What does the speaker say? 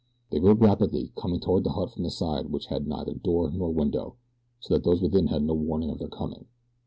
They rode rapidly, coming toward the hut from the side which had neither door nor window, so that those within had no warning of their coming.